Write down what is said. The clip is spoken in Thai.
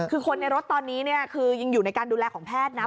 คือคนในรถตอนนี้เนี่ยคือยังอยู่ในการดูแลของแพทย์นะ